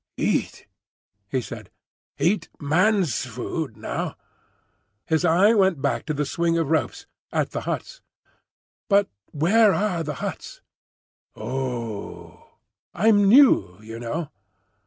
"Eat!" he said. "Eat Man's food, now." And his eye went back to the swing of ropes. "At the huts." "But where are the huts?" "Oh!" "I'm new, you know."